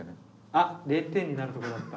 あっ０点になるとこだった。